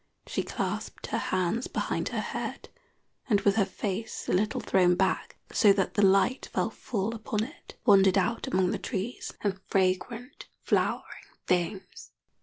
She clasped her hands behind her head, and with her face a little thrown back, so that the light fell full upon it, wandered out among the trees and fragrant flowering things.